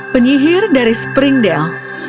penyihir dari springdale